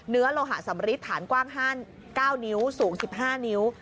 โลหะสำริดฐานกว้าง๙นิ้วสูง๑๕นิ้ว